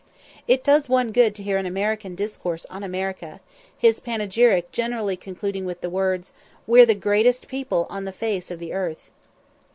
It does one good to hear an American discourse on America, his panegyric generally concluding with the words, "We're the greatest people on the face of the earth."